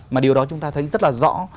mà điều đó chúng ta thấy rất là rõ